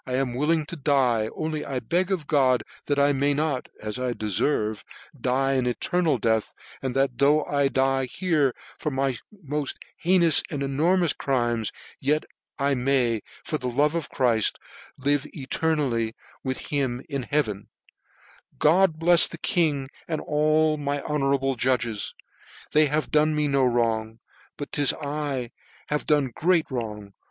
1 am will " ing to die, only I beg of God that I may not, " (&b I de(erve) die an eternal dcaih ; and that " though I die here, tor my moft heinous and (l enormous crimes, yet I may, for the love of " Chrift, live eternally with him in heaven:" to which he added, " God blcfs tiie king, and all " my honourable judges : they have done, me no wrong; but 'tis 1 have done great wrong.